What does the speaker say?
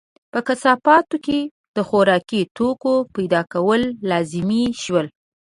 په کثافاتو کې د خوراکي توکو پیدا کول لازمي شول.